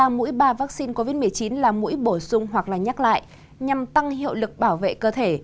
mũi ba vaccine covid một mươi chín là mũi bổ sung hoặc là nhắc lại nhằm tăng hiệu lực bảo vệ cơ thể